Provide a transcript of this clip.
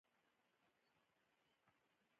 دوی ساتونکي او کمرې لري.